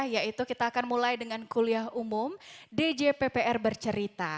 yaitu kita akan mulai dengan kuliah umum djppr bercerita